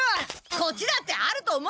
こっちだってあると思う！